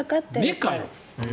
目かよ。